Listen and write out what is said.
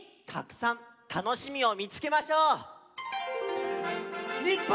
たくさんたのしみをみつけましょう！